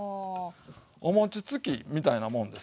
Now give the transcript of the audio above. お餅つきみたいなもんです。